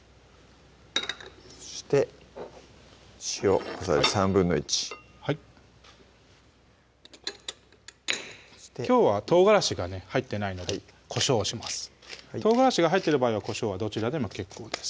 そして塩小さじ１／３はいきょうはとうがらしがね入ってないのでこしょうをしますとうがらしが入っている場合はこしょうはどちらでも結構です